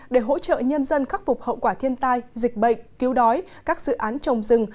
để hỗ trợ nhân dân khắc phục hậu quả thiên tai dịch bệnh cứu đói các dự án trồng rừng